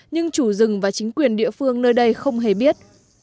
nhưng chủ rừng và chính quyền địa phương nơi đây không hề biết